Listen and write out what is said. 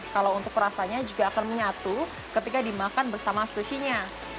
kalau untuk rasanya juga akan menyatu ketika dimakan bersama sushinya